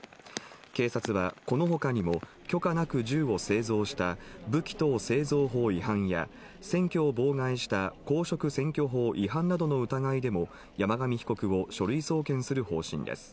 警察は、このほかにも許可なく銃を製造した武器等製造法違反や、選挙を妨害した公職選挙法違反などの疑いでも、山上被告を書類送検する方針です。